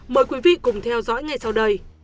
mời quý vị cùng theo dõi ngay sau đây